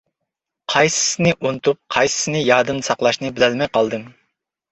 قايسىسىنى ئۇنتۇپ، قايسىسىنى يادىمدا ساقلاشنى بىلەلمەي قالدىم.